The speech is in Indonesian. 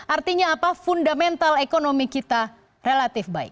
artinya apa fundamental ekonomi kita relatif baik